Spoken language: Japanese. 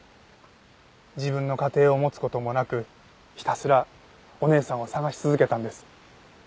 自分の家庭を持つ事もなくひたすらお姉さんを捜し続けたんです。